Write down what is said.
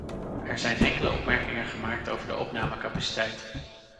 Er zijn enkele opmerkingen gemaakt over de opnamecapaciteit.